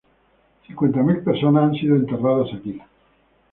Cincuenta mil personas han sido enterradas aquí.